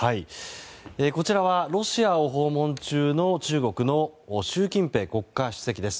こちらはロシアを訪問中の中国の習近平国家主席です。